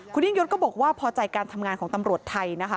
คุณยิ่งยศก็บอกว่าพอใจการทำงานของตำรวจไทยนะคะ